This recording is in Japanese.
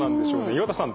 岩田さん